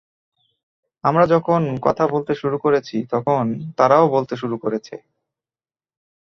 আমরা যখন কথা বলতে শুরু করেছি, তখন তারাও বলতে শুরু করেছে।